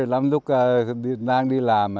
lắm lúc đang đi làm